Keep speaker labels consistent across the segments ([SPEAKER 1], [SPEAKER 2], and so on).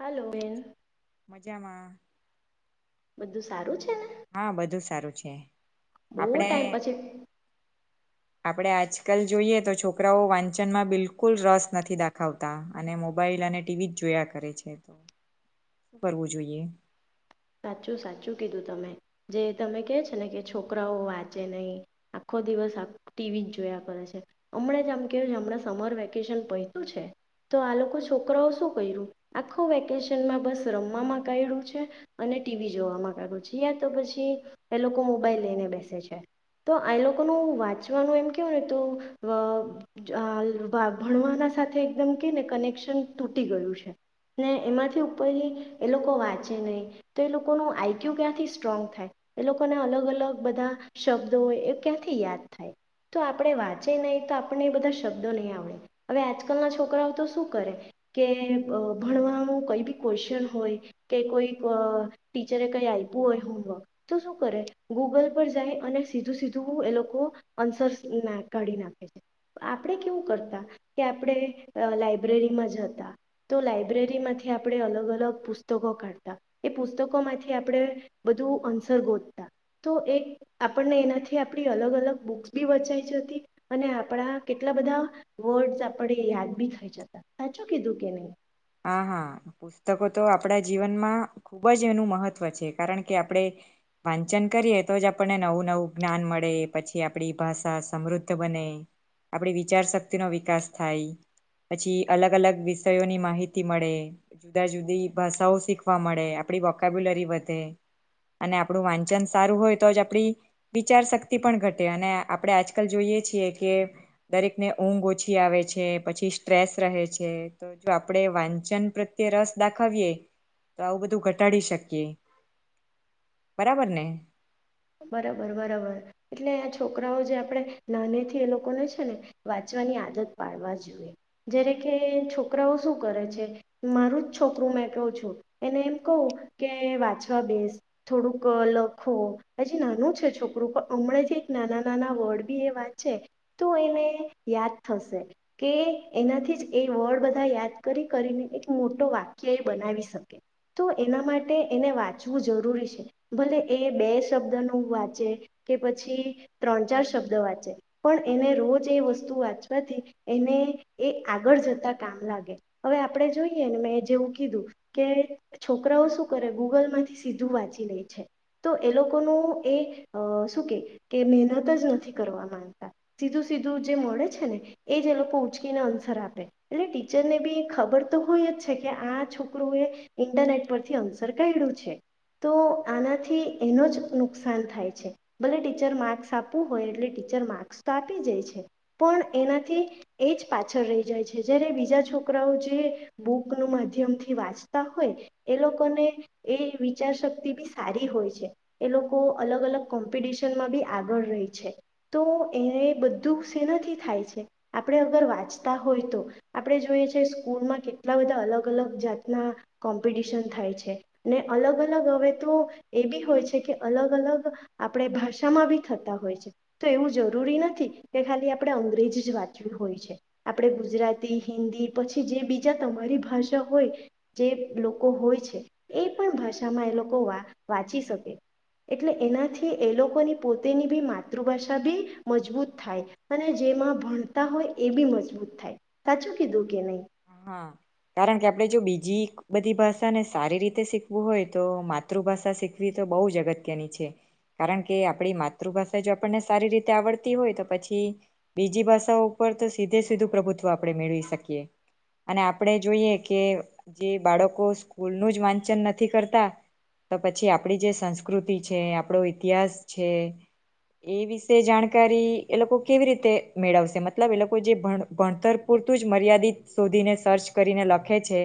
[SPEAKER 1] હાલો
[SPEAKER 2] કેમ
[SPEAKER 1] બેન
[SPEAKER 2] છો? મજામાં.
[SPEAKER 1] બધું સારું છ
[SPEAKER 2] હા બધું સારું છે
[SPEAKER 1] બહુ
[SPEAKER 2] આપડે
[SPEAKER 1] ટાઈમ પછી
[SPEAKER 2] આપણે આજકાલ જોઈએ તો છોકરાઓ વાંચનમાં બિલકુલ રસ નથી દાખવતાં અને મોબાઈલ અને ટીવી જ જોયા કરે છે તો શું કરવું જોઈએ?
[SPEAKER 1] સાચું સાચું કીધું તમે, જે તમે કે છે ને કે છોકરાઓ વાંચે નહીં આખો દિવસ ટીવી જ જોયા કરે છે હમણે જ આમ કેવું છે હમણાં સમર વેકેશન પયતું છે તો આ લોકો છોકરાઓ શું કર્યું, આખો વેકેશનમાં બસ રમવામાં કાયઢુ છે. અને ટીવી જોવામાં કાઢયું છે યા તો પછી એ લોકો મોબાઈલ લઈને બેસે છે તો એ લોકોનું વાંચવાનું એમ કેઉ ને તો ભણવાના સાથે એકદમ કેને કનેક્શન તૂટી ગયું છે ને એમાંથી ઉપર એ લોકો વાંચે નહીં. તો એ લોકોનું આઈ ક્યુ ક્યાંથી સ્ટ્રોંગ થાય એ લોકોને અલગ-અલગ બધા શબ્દો હોય એ ક્યાંથી યાદ થાય? તો આપણે વાંચે નહીં તો આપણને એ બધા શબ્દો નહીં આવડે, હવે આજકાલનાં છોકરાઓ તો શું કરે કે અ ભણવાનું કઈ બી ક્વેશ્ચન હોય કે કોઈ અ ટીચરે કંઈ આયવું હોય હોમવર્ક તો શું કરે? ગૂગલ પર જાય અને સીધું-સીધું એ લોકો આન્સર્સ ના કાઢી નાખે છે આપણે કેવું કરતાં કે આપણે અ લાઈબ્રેરીમાં જતાં તો લાઈબ્રેરીમાંથી આપણે અલગ-અલગ પુસ્તકો કાઢતા તા એ પુસ્તકોમાંથી આપણે બધું અન્સર ગોતતા તો એક આપણને એનાથી આપડી અલગ-અલગ બુક્સ બી વંચાઈ જતી અને આપણા કેટલા બધાં વર્ડસ આપણે યાદ બી થઈ જતાં, સાચું કીધું કે નહીં?
[SPEAKER 2] હા હા, પુસ્તકો તો આપણા જીવનમાં ખૂબ જ એનું મહત્વ છે કારણ કે આપણેે વાંચન કરીએ તો જ આપણને નવું-નવું જ્ઞાન મળે પછી આપણી ભાષા સમૃદ્ધ બને, આપડી વિચાર શક્તિનો વિકાસ થાય પછી અલગ-અલગ વિષયોની માહિ તી મળે જુદા જુદી ભાષાઓ શીખવા મળે, આપણી વોકાબ્યુલરી વધે અને આપણું વાંચન સારું હોય તો જ આપણી વિચાર શક્તિ પણ ઘટે અને આપણે આજકાલ જોઈએ છીએ કે દરેકને ઊંઘ ઓછી આવે છે પછી સ્ટ્રેસ રહે છે તો જો આ પડે વાંચન પ્રત્યે રસ દાખવીએ તો આવું બધું ઘટાડી શકીએ, બરાબર ને?
[SPEAKER 1] બરાબર બરાબર એટલે છોકરાઓ જે આપણે નાનીથી એ લોકોને છે ને વાંચવાની આદત પાડવા જોઈએ, જ્યારે કે છોકરાઓ શું કરે છે મારું જ છોકરું મેં કહું છું એને એમ કહું કે વાંચવા બેસ, થોડુંક લખો. હજી નાનું છે છોકરું પણ હમણાં જે એક નાનાં-નાનાં વર્ડ બી એ વાંચે તો એને યાદ થશે કે એનાથી જ એ વર્ડ બધાં યાદ કરી કરીને એક મોટું વાક્ય એ બનાવી શકે તો એના માટે એને વાંચવું જરૂરી છે ભલે એ બે શબ્દનું વાંચે કે પછી ત્રણ-ચાર શબ્દ વાંચે પણ એને રોજ એ વસ્તુ વાંચવાથી એને એ આગળ જતાં કામ લાગે અવે આપણે જોઈએ ને મેં જેવું કીધું કે છોકરાઓ શું કરે? ગૂગલમાંથી સીધું વાંચી લેય છે તો એ લોકો લોકો એ શું કે મહેનત જ નથી કરવા માંગતા સીધું-સીધું જે મળે છે ને એ જ એ લોકો ઉચકીને અન્સર આપે એટલે ટીચરને બી ખબર તો હોય જ છે કે આ છોકરું એ ઈન્ટરનેટ પરથી અન્સર કાઢ્યું છે તો આનાથી એનો જ નુકસાન થાય છે, ભલે ટીચર માર્ક્સ આપવું હોય એટલે ટીચર માર્ક્સ તો આપી જેય છે પણ એનાથી એજ પાછળ રહી જાય છે જ્યારે બીજા છોકરાઓ જે બુકનું માધ્યમથી વાંચતા હોય એ લોકોને એ વિચાર શક્તિ બી સારી હોય છે. એ લોકો અલગ-અલગ કોમ્પિટિશનમાં બી આગળ રેય છે તો એને બધું શેનાથી થાય છે આપણે અગર વાંચતા હોય તો આપણે જોઈએ છે સ્કૂલમાં કેટલા બધાં અલગ-અલગ જાતનાં કોમ્પિટિશન થાય છે ને અલગ-અલગ હવે તો એ બી હોય છે. કે અલગ-અલગ આપણે ભાષામાં બી થતા હોય છે તો એવું જરૂરી નથી કે ખાલી આપણે અંગ્રેજી જ વાંચવી હોય છે, આપણે ગુજરાતી, હિન્દી પછી જે બીજા તમારી ભાષા હોય જે લોકો હોય છે એ પણ ભાષામાં એ લોકો વા વાંચી શકે. એટલે એનાથી એ લોકોની પોતેની બી માતૃભાષા બી મજબૂત થાય અને જેમાં ભણતાં હોય એ બી મજબૂત થાય, સાચું કીધું કે નહીં?
[SPEAKER 2] હા, કારણ કે આપણે જો બીજી બધી ભાષાને સારી રીતે શીખવું હોય તો માતૃભાષા શીખવી તો બહુ જ અગત્યની છે કારણ કે આપડી માતૃભાષા જો આપણને સારી રીતે આવડતી હોય તો પછી બીજી ભાષાઓ ઉપર તો સીધે સીધું પ્રભુત્વ આપણે મેળવી શકીએ. અને આપણે જોઈએ કે જે બાળકો સ્કૂલનું જ વાંચન નથી કરતાં તો પછી આપણી જે સંસ્કૃતિ છે આપણો ઈતિહાસ છે એ વિશે જાણકારી એ લોકો કેવી રીતે મેળવશે મતલબ એ લોકો જે ભણ ભણતર પૂરતું જ મર્યાદિત શોધીને સર્ચ કરીને લખે છે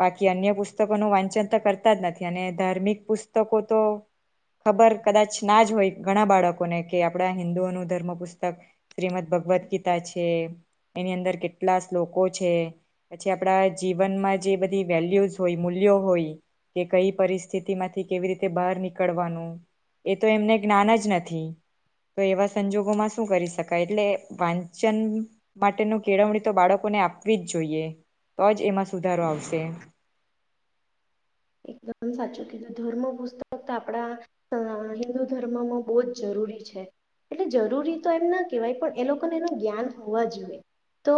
[SPEAKER 2] બાકી અન્ય પુસ્તકોનું વાંચન તો કરતાં જ નથી અને ધાર્મિક પુસ્તકો તો ખબર કદાચ ના જ હોય ઘણાં બાળકોને કે આપણા હિન્દુઓનું ધર્મ પુસ્તક શ્રીમદ ભગવદ ગીતા છે એની અંદર કેટલા શ્લોક કો છે પછી આપણા જીવનમાં જે બધી વેલ્યુઝ હોય, મૂલ્યો હોય કે કઈ પરિસ્થિતિમાંથી કેવી રીતે બહાર નીકળવાનું? એ તો એમને જ્ઞાન જ નથી તો એવા સંજોગોમાં શું કરી શકાય એટલે વાંચન માટેનું કેળવણી તો બાળ કોને આપવી જ જોઈએ તો જ એમાં સુધારો આવશે.
[SPEAKER 1] એકદમ સાચું કીધું ધર્મ પુસ્તક આપણા હિન્દુ ધર્મમાં બહુ જ જરૂરી છે એટલે જરૂરી તો એમ ના કહેવાય પણ એ લોકોને એનું જ્ઞાન હોવા જોએ તો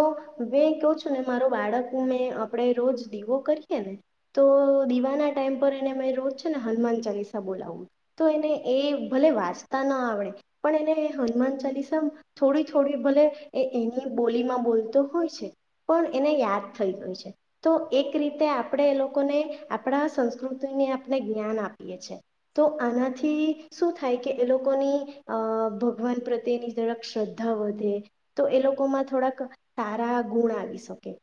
[SPEAKER 1] મેં કહું છું ને મારો બાળક હ મેં આપણે રોજ દીવો કરીએ ને તો દીવાના ટાઈમ પર એને મેં રોજ છે ને હનુમાન ચાલીસા બોલાવું તો એને એ ભલે વાંચતા ન આવડે પણ એને હનુમાન ચાલીસા થોડી થોડી ભલે એ એની બોલીમાં બોલતો હોય છે પણ એને યાદ થઈ ગય છે તો એક રીતે આપણે એ લોકોને આપણા સંસ્કૃતિને આપણે જ્ઞાન આપીયે છે તો આનાથી શું થાય કે એ લોકોની અ ભગવાન પ્રત્યેની જરાક શ્રદ્ધા વધે તો એ લોકોમાં થોડાક સારા ગુણ આવી શકે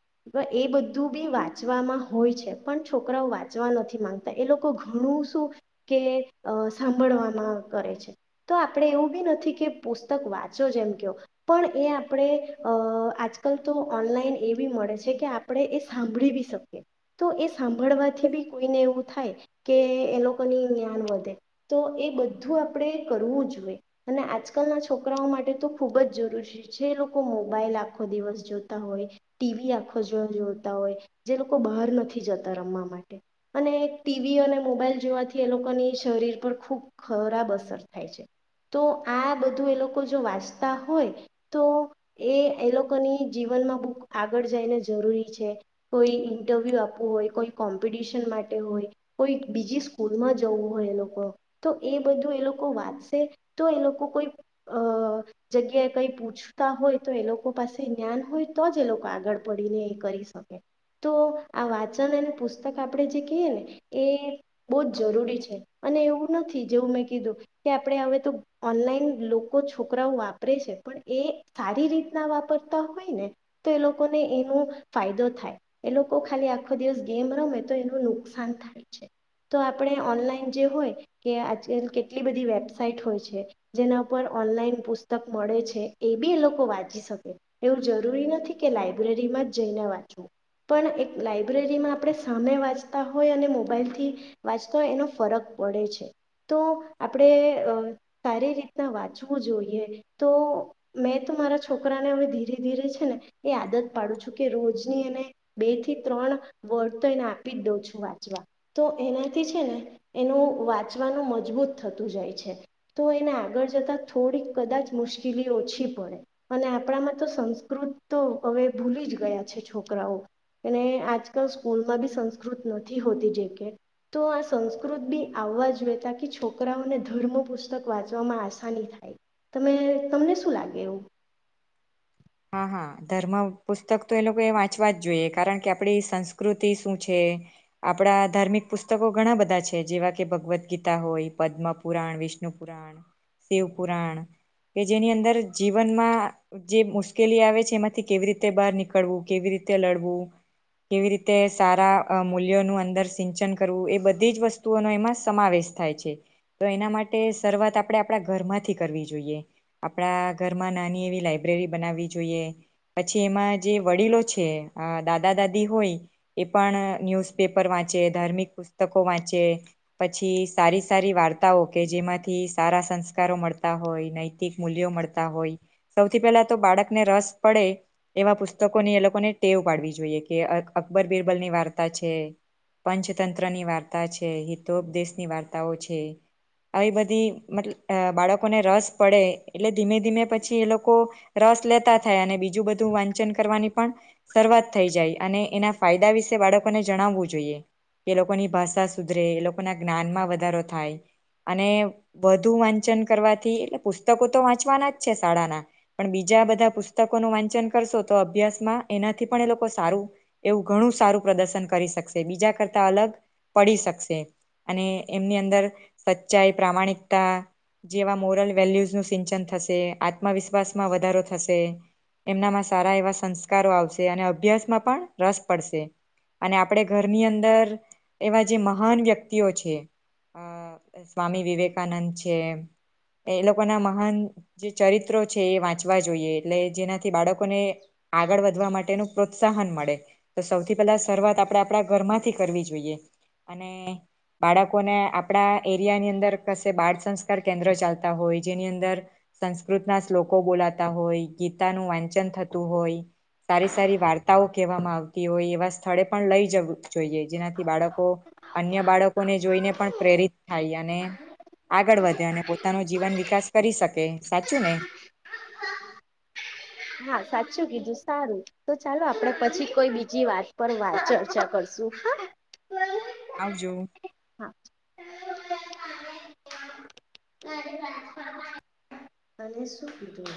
[SPEAKER 1] એ બધું બી વાંચવામાં હોય છે પણ છોક છોકરાઓ વાંચવા નથી માંગતા એ લોકો ઘણું શું કે અ સાંભળવામાં કરે છે તો આપણે એવું બી નથી કે પુસ્તક વાંચો જેમ કેઓ પણ એ આપણે અ આજકાલ તો ઓનલાઈન એ બી મળે છે કે આપણે એ સાંભળી શકીએ તો એ સાભ સાભળવાથી બી કોઈને એવું થાય કે એ લોકોની જ્ઞાન વધે તો એ બધું આપણે કરવું જોઈએ અને આજકાલનાં છોકરાઓ માટે તો ખૂબ જ જરૂરી છે એ લોકો મોબાઈલ આખો દિવસ જોતાં હોય, ટીવી આખો દિવસ જોતાં હોય જે લોકો બહાર નથી જતાં. તા રમવા માટે અને ટીવી અને મોબાઈલ જોવાથી એ લોકોની શરીર પર ખૂબ ખરાબ અસર થાય છે તો આ બધું એ લોકો જો વાંચતા હોય તો એ એ લોકોની જીવનમાં બૂક આગળ જઈને જરૂરી છે કોઈ ઈન્ટરવ્યૂ આપવું હોય કોઈ કોમ્પિટિશન માટે હોય, કોઈક બીજી સ્કૂલમાં જવું હોય એ લોકો તો એ બધું એ લોકો વાંચશે તો એ લોકો કોઈ અ જગ્યાએ કઈ પૂછતાં હોય તો એ લોકો પાસે જ્ઞાન હોય તો જ એ લોકો આગળ પડીને એ કરી શકે તો આ વાચ તન અને પુસ્તક આપણે જે કેયેને એ બહુ જ જરૂરી છે અને એવું નથી જેવું મેં કીધું કે આપણે હવે તો ઓનલાઈન લોકો છોકરાઓ વાપરે છે પણ એ સારી રીતનાં વાપરતાં હોય ને તો એ લોકોને એનો ફાયદો થાય એ લોકો ખાલી આ આખો દિવસ ગેમ રમે તો એનું નુકસાન થાય છે તો આપણે ઓનલાઈન જે હોય કે આજકાલ કેટલી બધી વેબસાઇટ હોય છે જેના ઉપર ઓનલાઈન પુસ્તક મળે છે એ બી એ લોકો વાંચી શકે એવું જરૂરી નથી કે લાયબ્રેરીમાં જ જઈને વાંચવું પણ એક લાઈ બ્રેરીમાં આપણે સામે વાંચતા હોય અને મોબાઈલથી વાંચતા હોય એનો ફરક પડે છે તો આપણે અ સારી રીતનાં વાંચવું જોઈએ તો મેં તો મારા છોકરાને હવે ધીરે-ધીરે છે ને એ આદત પાડું છું કે રોજની એને બેથી ત્રણ વર્ડ તો એને આપી જ દઉં છું વાંચવા તો એનાથી છે ને એનું વાંચવાનું મજબૂત થતું જાય છે તો એને આગળ જતાં થોડીક કદાચ મુશ્કેલી ઓછી પડે અને આપણામાં તો સંસ્કૃત તો અવે ભૂલી જ ગયા છે છોકરાઓ એને આજ કલ સ્કૂલમાં બી સંસ્કૃત નથી હોતી જેકે તો આ સંસ્કૃત બી આવવા જોએ તાકી છોકરાઓને ધર્મ પુસ્તક વાંચવામાં આસાની થાય તમે તમને શું લાગે એવું?
[SPEAKER 2] હા હા, ધર્મ પુસ્તક તો એ લોકો એ વાંચવા જ જોઈએ કારણ કે આપડી સંસ્કૃતિ શું છે? આપણા ધાર્મિક પુસ્તકો ઘણા બધા છે જેવા કે ભગવદ્ ગીતા હોય, પદ્મપુરાણ, વિષ્ણુ પુરાણ, શિવ પુરાણ કે જેની અંદર જીવનમાં જે મુશ્ કેલી આવે છે એમાંથી કેવી રીતે બહાર નીકળવું, કેવી રીતે લડવું? કેવી રીતે સારા અ મૂલ્યોનું અંદર સિંચન કરવું એ બધી જ વસ્તુઓનો એમાં સમાવેશ થાય છે તો એના માટે શરૂઆત આપણે આપણાં ઘરમાંથી કરવી જોઈએ આપણા ઘરમાં નાની એવી લાઈબ્રેરી બનાવી. જોઈએ પછી એમાં જે વડીલો છે અ દાદા દાદી હોય એ પણ ન્યૂઝપેપર વાંચે, ધાર્મિક પુસ્તકો વાંચે પછી સારી સારી વાર્તાઓ કે જેમાંથી સારાં સંસ્કારો મળતાં હોય, નૈતિક મૂલ્યો મળતાં હોય સૌથી પહેલાં તો બાળક ને રસ પડે એવા પુસ્તકોની એ લોકોને ટેવ પાડવી જોઈએ કે અકબર બિરબલની વાર્તા છે, પંચતંત્રની વાર્તા છે, હિતોપદેશની વાર્તાઓ છે આવી બધી મતલબ બાળકોને રસ પડે એટલે ધીમે-ધીમે પછી એ લોકો રસ લેતાં થાય અને બીજું બધું વાંચન કરવાની પણ શરૂઆત થઈ જાય અને એના ફાયદા વિશે બાળકોને જણાવવું જોઈએ કે લોકોની ભાષા સુધરે એ લોકોનાં જ્ઞાનમાં વધારો થાય અને વધુ વાંચન કરવાથી એટલે પુસ્તકો તો વાંચવાના જ છે શાળાના પણ બી જ્યાં બધાં પુસ્તકોનું વાંચન કરશો તો અભ્યાસમાં એનાથી પણ એ લોકો સારું એવું ઘણું સારું પ્રદર્શન કરી શકશે, બીજા કરતાં અલગ પડી શકશે અને એમની અંદર સચ્ચાઈ, પ્રામાણિકતા જેવા મોરલ વેલ્યુઝનું સિંચન થશે, આત્મવિશ્વાસમાં વધારો થશે એમનામાં સારાં એવા સંસ્કારો આવશે અને અભ્યાસમાં પણ રસ પડશે અને આપણે ઘરની અંદર એવા જે મહાન વ્યક્તિઓ છે અ સ્વામી વિવેકાનંદ છે એ લોકોના મહાન જે ચરિત્રો છે એ વાંચ વા જોઈએ એટલે જેનાથી બાળકોને આગળ વધવા માટેનું પ્રોત્સાહન મળે તો સૌથી પહેલાં શરૂઆત આપણે આપણા ઘરમાંથી કરવી જોઈએ અને બાળકોને આપણાં એરિયાની અંદર કશે બાળ સંસ્કાર કેન્દ્ર ચાલતા હોય જેની અંદર સંસ્કૃતનાં શ્લોકો બોલા તા હોય, ગીતાનું વાંચન થતું હોય, સારી-સારી વાર્તાઓ કહેવામાં આવતી હોય એવા સ્થળે પણ લઈ જવું. જોઈએ જેનાથી બાળકો અન્ય બાળકોને જોઈને પણ પ્રેરિત થાય અને આગળ વધે અને પોતાનો જીવન વિકાસ કરી શકે. કે સાચું ને?
[SPEAKER 1] હા સાચું કીધું, સારું તો ચાલો આપડે પછી કોઈ બીજી વાત પર વાત ચર્ચા કરશું હ.
[SPEAKER 2] આવજો.
[SPEAKER 1] અને શું કીધું?